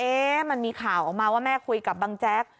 มันมีข่าวออกมาว่าแม่คุยกับบังแจ๊ก